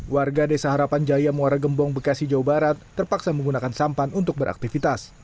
warga desa harapan jaya muara gembong bekasi jawa barat terpaksa menggunakan sampan untuk beraktivitas